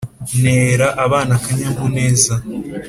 Ntera abana akanyamuneza